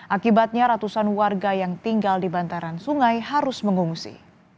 akibatnya ratusan warga yang tinggal di bantaran sungai harus mengungsi